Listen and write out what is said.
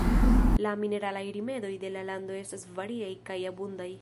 La mineralaj rimedoj de la lando estas variaj kaj abundaj.